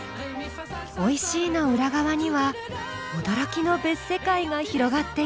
おいしいの裏側には驚きの別世界が広がっていました。